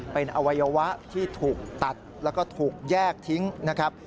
เป็นอวัยวะที่ถูกตัดแล้วก็ถูกแยกทิ้งนะครับ